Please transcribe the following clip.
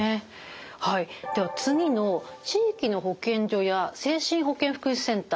はいでは次の地域の保健所や精神保健福祉センター。